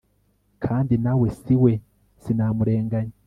kandi na we si we, sinamurenganya